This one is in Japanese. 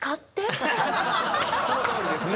そのとおりですね。